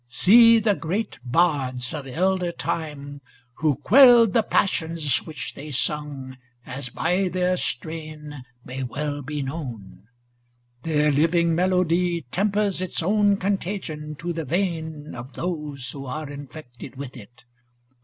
See the great bards of elder time, who quelled ' The passions which they sung, as by their strain May well be known: their living melody Tempers its own contagion to the vein 476 MISCELLANEOUS POEMS * Of those who are infected with it.